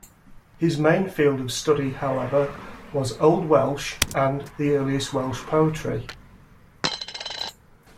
His main field of study however was Old Welsh and the earliest Welsh Poetry.